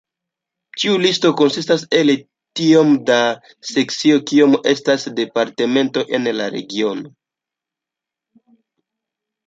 Ĉiu listo konsistas el tiom da sekcioj kiom estas departementoj en la regiono.